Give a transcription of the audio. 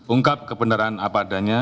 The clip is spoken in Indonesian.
ungkap kebenaran apa adanya